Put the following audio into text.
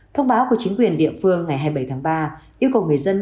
thông báo của chính quyền địa phương ngày hai mươi bảy tháng ba yêu cầu người dân